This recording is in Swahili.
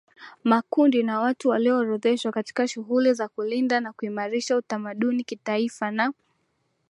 makundi na watu waliyoorodheshwa katika shughuli za kulinda na kuimaridsha utamaduni Kitaifa na